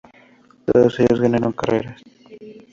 Todos ellos ganaron carreras.